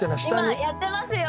今やってますよ！